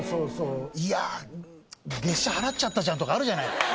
いや「月謝払っちゃったじゃん」とかあるじゃない。